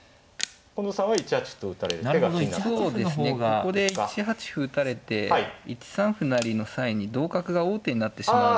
ここで１八歩打たれて１三歩成の際に同角が王手になってしまうんで。